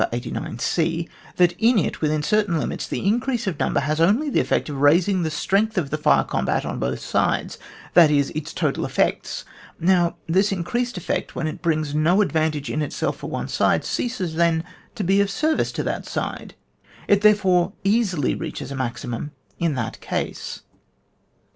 89c) that in it, within certain limits, the increase of number has only the effect of raising the strength of the fire combat on both sides ; that is, its total effects. Now this increased effect when it brings no advantage in itself for one side, ceases then to be of service to that side ; it therefore easily reaches a maximum in that case. 295.